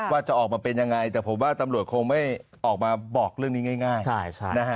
ว่าจะออกมาเป็นยังไงแต่ผมว่าตำรวจคงไม่ออกมาบอกเรื่องนี้ง่ายนะฮะ